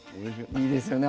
いいですよね。